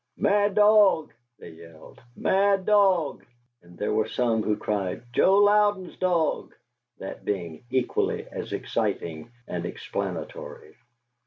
"MAD DOG!" they yelled. "MAD DOG!" And there were some who cried, "JOE LOUDEN'S DOG!" that being equally as exciting and explanatory.